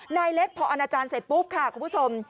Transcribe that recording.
นายเล็กพออาณาจารย์เสร็จปุ๊บค่ะคุณผู้ชม